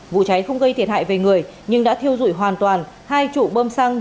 vụ cháy không gây thiệt hại về người nhưng đã thiêu dụi hoàn toàn hai trụ bơm xăng một xe máy và nhiều tài sản khác